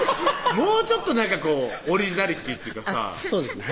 もうちょっと何かこうオリジナリティーっていうかさそうですね